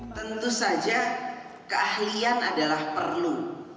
tentu saja keahlian adalah perlu